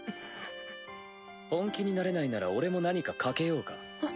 本気になれないなら俺も何か懸けようか？